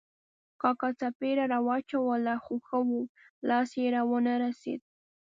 کاکا څپېړه را واچوله خو ښه وو، لاس یې را و نه رسېد.